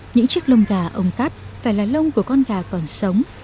những chiếc lông gà ông cắt phải là lông của con gà còn sống